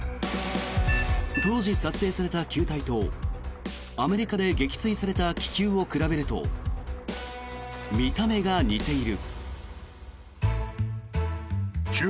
当時撮影された球体とアメリカで撃墜された気球を比べると見た目が似ている。